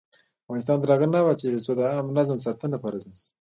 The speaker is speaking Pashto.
افغانستان تر هغو نه ابادیږي، ترڅو د عامه نظم ساتنه فرض نشي.